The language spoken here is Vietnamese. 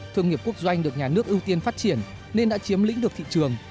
thương nghiệp quốc doanh được nhà nước ưu tiên phát triển nên đã chiếm lĩnh được thị trường